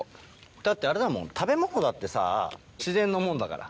だってあれだもん食べ物だってさ自然のもんだから。